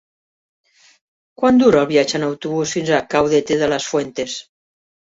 Quant dura el viatge en autobús fins a Caudete de las Fuentes?